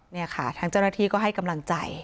นี่ค่ะทางเจ้าหน้าที่ก็ให้กำลังใจ